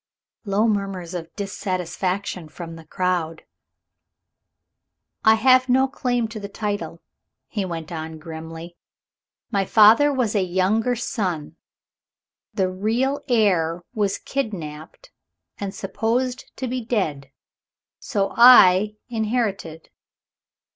Loud murmurs of dissatisfaction from the crowd. "I have no claim to the title," he went on grimly; "my father was a younger son the real heir was kidnapped, and supposed to be dead, so I inherited.